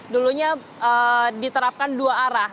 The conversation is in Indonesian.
dulunya diterapkan dua arah